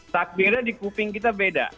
takbirnya di kuping kita beda